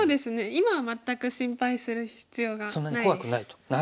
今は全く心配する必要がないです。